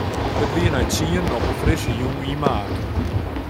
It wie nei tsienen op in frisse jûn yn maart.